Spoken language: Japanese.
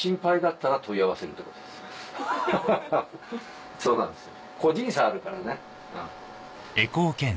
ハハハそうなんですよ。